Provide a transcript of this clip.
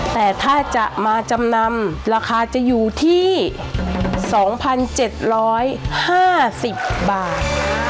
แต่ถ้าจะมาจำนำราคาจะอยู่ที่๒๗๕๐บาท